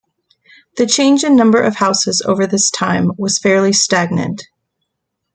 The change in number of houses over this time was fairly stagnant.